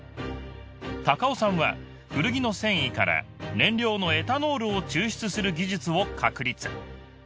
尾さんは古着の繊維から燃料のエタノールを抽出する技術を確立